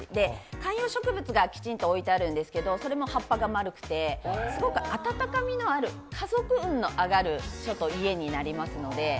観葉植物がきちんと置いてあるんですけれども、葉っぱが丸くてすごく暖かみのある、家族運の上がる家になりますので。